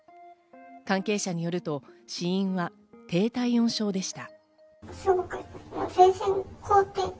関係者によると死因は低体温症でした。